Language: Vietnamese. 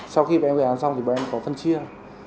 sau khi bọn em gây án xong thì bọn em có phân chia